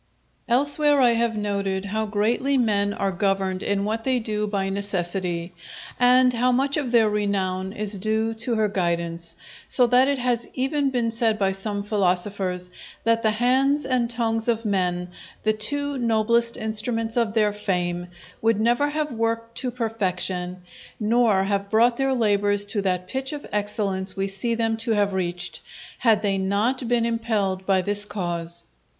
_ Elsewhere I have noted how greatly men are governed in what they do by Necessity, and how much of their renown is due to her guidance, so that it has even been said by some philosophers, that the hands and tongues of men, the two noblest instruments of their fame, would never have worked to perfection, nor have brought their labours to that pitch of excellence we see them to have reached, had they not been impelled by this cause.